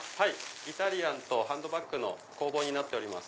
イタリアンとハンドバッグの工房になってます。